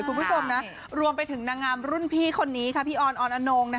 คุณผู้ชมนะรวมไปถึงนางงามรุ่นพี่คนนี้ค่ะพี่ออนออนอนง